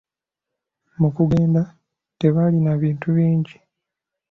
Mu kugenda tebaalina bintu bingi.